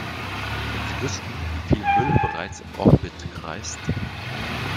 Wenn Sie wüssten, wie viel Müll bereits im Orbit kreist!